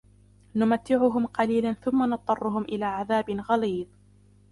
نُمَتِّعُهُمْ قَلِيلًا ثُمَّ نَضْطَرُّهُمْ إِلَى عَذَابٍ غَلِيظٍ